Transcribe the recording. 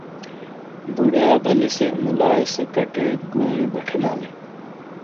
بوڈایا بلی سے مولائے کٹیک گونی بٹھینالے۔